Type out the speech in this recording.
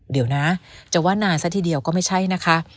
เดี๋ยวนะจะว่านานซะทีเดียวก็ไม่ใช่นะคะ